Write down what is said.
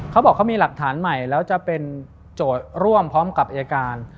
เขาบอกเขามีหลักฐานใหม่แล้วจะเป็นโจทย์ร่วมพร้อมกับอายการ